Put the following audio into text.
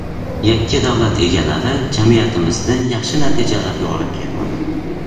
yakka davlat egaligi jamiyatimizni yaxshi natijalarga olib kelmadi.